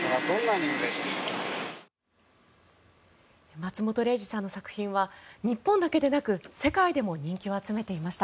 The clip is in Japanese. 松本零士さんの作品は日本だけでなく世界でも人気を集めていました。